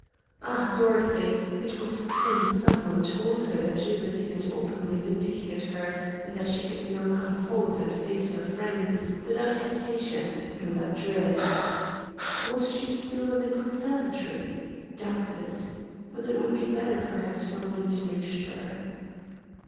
Ah, Dorothy! it was time some one told her that Gilbertine had openly vindicated her and that she could now come forth and face her friends without hesitation and without dread. Was she still in the conservatory? Doubtless. But it would be better perhaps for me to make sure.